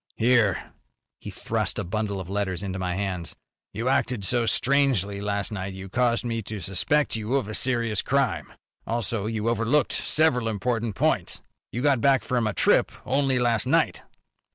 "Here." He thrust a bundle of letters into my hands. "You acted so strangely last night you caused me to suspect you of a serious crime. Also, you overlooked several important points. You got back from a trip only last night."